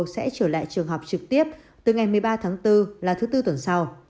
sẽ trở lại trường học trực tiếp từ ngày một mươi ba tháng bốn là thứ tư tuần sau